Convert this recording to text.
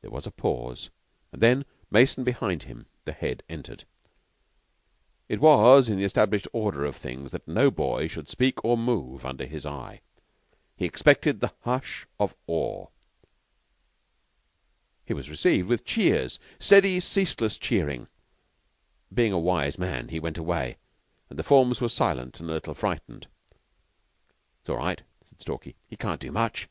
There was a pause, and then, Mason behind him, the Head entered. It was in the established order of things that no boy should speak or move under his eye. He expected the hush of awe. He was received with cheers steady, ceaseless cheering. Being a wise man, he went away, and the forms were silent and a little frightened. "It's all right," said Stalky. "He can't do much.